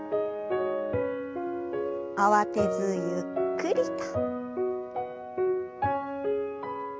慌てずゆっくりと。